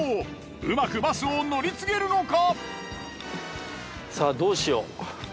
うまくバスを乗り継げるのか？